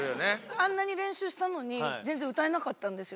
あんなに練習したのに全然歌えなかったんですよ